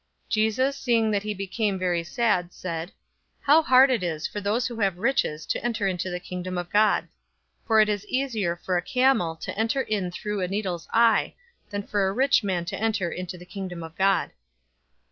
018:024 Jesus, seeing that he became very sad, said, "How hard it is for those who have riches to enter into the Kingdom of God! 018:025 For it is easier for a camel to enter in through a needle's eye, than for a rich man to enter into the Kingdom of God."